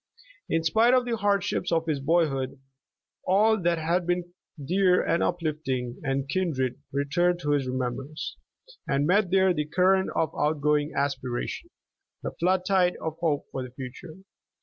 In spite of the hardships of his boyhood, all that had been dear and uplifting and kindly returned to his remembrance, and met there the current of outgoing aspiration, the flood tide of hope for the future.